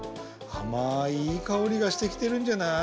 あまいいいかおりがしてきてるんじゃない？